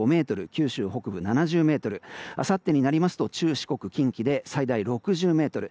九州北部は７０メートルあさってになると中四国、近畿で最大６０メートル。